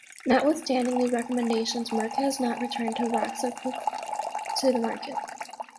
Notwithstanding these recommendations, Merck has not returned rofecoxib to the market.